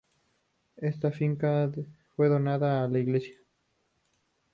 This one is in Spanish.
Esta finca fue donada a la iglesia.